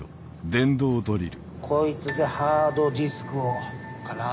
こいつでハードディスクをかな？